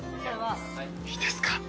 いいですか？